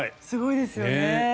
すごいですよね。